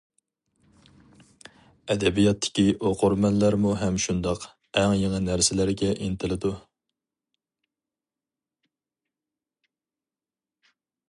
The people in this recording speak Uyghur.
ئەدەبىياتتىكى ئوقۇرمەنلەرمۇ ھەم شۇنداق ئەڭ يېڭى نەرسىلەرگە ئىنتىلىدۇ.